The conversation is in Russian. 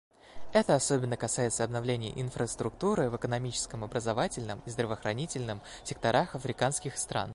Это особенно касается обновления инфраструктуры в экономическом, образовательном и здравоохранительном секторах африканских стран.